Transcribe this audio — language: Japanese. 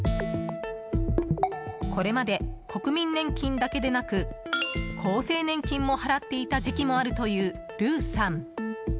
これまで、国民年金だけでなく厚生年金も払っていた時期もあるという、ルーさん。